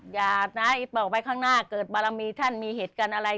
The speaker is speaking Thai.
อย่านะต่อไปข้างหน้าเกิดบารมีท่านมีเหตุการณ์อะไร